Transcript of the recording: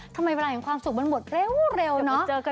ทำไมเวลาแห่งความสุขมันหมดเร็วเนอะ